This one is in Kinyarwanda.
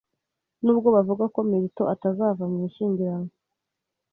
Nubwo bavuga ko Milton "atazava mu ishyingiranwa